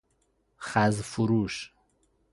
خز فروش